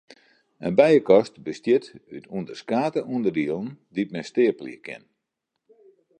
In bijekast bestiet út ûnderskate ûnderdielen dy't men steapelje kin.